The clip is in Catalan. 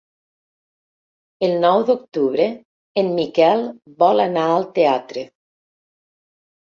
El nou d'octubre en Miquel vol anar al teatre.